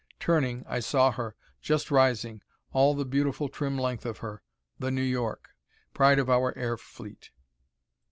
Turning, I saw her, just rising, all the beautiful trim length of her. The New York! Pride of our air fleet!